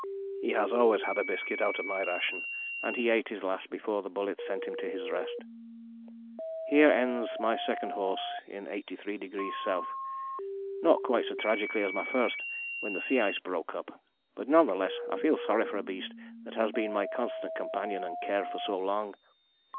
He has always had a biscuit out of my ration, and he ate his last before the bullet sent him to his rest. Here ends my second horse in 83° S., not quite so tragically as my first when the sea ice broke up, but none the less I feel sorry for a beast that has been my constant companion and care for so long.